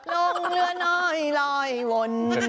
ลงเหลือน้อยลอยวน